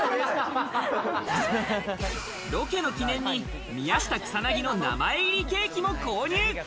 ロケの記念に宮下草薙の名前入りケーキも購入。